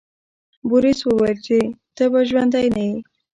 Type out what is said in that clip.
بوریس وویل چې ته به ژوندی نه یې.